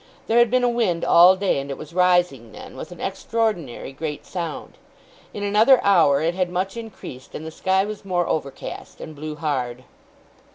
There had been a wind all day; and it was rising then, with an extraordinary great sound. In another hour it had much increased, and the sky was more overcast, and blew hard.